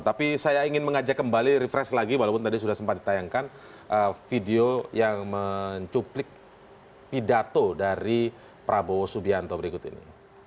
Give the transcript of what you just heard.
tapi saya ingin mengajak kembali refresh lagi walaupun tadi sudah sempat ditayangkan video yang mencuplik pidato dari prabowo subianto berikut ini